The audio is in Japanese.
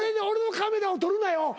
俺のカメラをとるなよ。